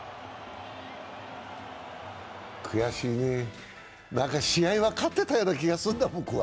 悔しいね、試合は勝ってたような気がするんだ。